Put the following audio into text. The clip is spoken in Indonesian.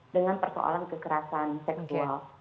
dengan persoalan kekerasan seksual